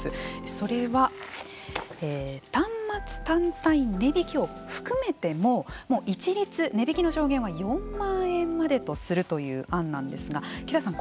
それは端末単体値引きを含めても一律値引きの上限は４万円までとするという案なんですが北さん